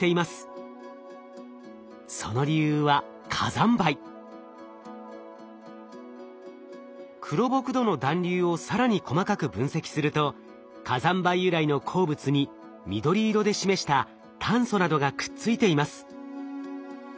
その理由は黒ボク土の団粒を更に細かく分析すると火山灰由来の鉱物に緑色で示した炭素などがくっついています。